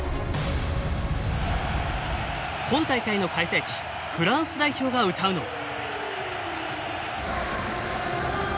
今大会の開催地フランス代表が歌うのは。